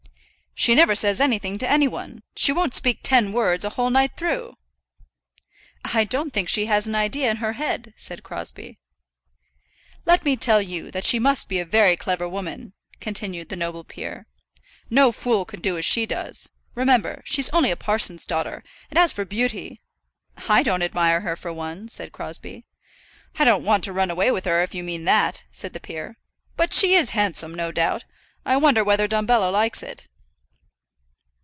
"She never says anything to any one. She won't speak ten words a whole night through." "I don't think she has an idea in her head," said Crosbie. "Let me tell you that she must be a very clever woman," continued the noble peer. "No fool could do as she does. Remember, she's only a parson's daughter; and as for beauty " "I don't admire her for one," said Crosbie. "I don't want to run away with her, if you mean that," said the peer; "but she is handsome, no doubt. I wonder whether Dumbello likes it."